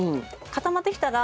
固まってきてる！